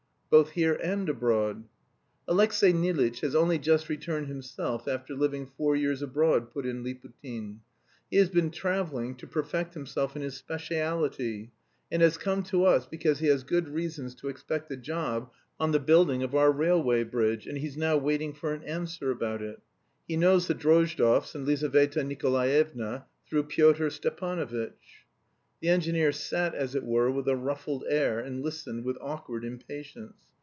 "Both here and abroad." "Alexey Nilitch has only just returned himself after living four years abroad," put in Liputin. "He has been travelling to perfect himself in his speciality and has come to us because he has good reasons to expect a job on the building of our railway bridge, and he's now waiting for an answer about it. He knows the Drozdovs and Lizaveta Nikolaevna, through Pyotr Stepanovitch." The engineer sat, as it were, with a ruffled air, and listened with awkward impatience.